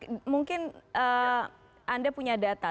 pak pratama mungkin anda punya data